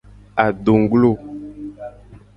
Adongglo.